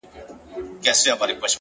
هوښیار فکر بېځایه اندېښنې کموي.